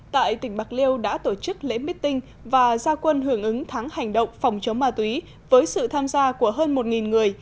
tại tỉnh bạc liêu đã tổ chức lễ meeting và gia quân hưởng ứng tháng hành động phòng chống ma túy với sự tham gia của hơn một người